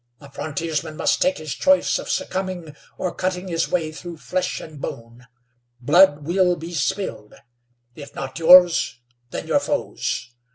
A frontiersman must take his choice of succumbing or cutting his way through flesh and bone. Blood will be spilled; if not yours, then your foe's.